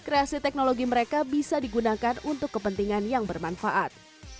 dan berharap kreasi teknologi mereka bisa digunakan untuk kepentingan yang bermanfaat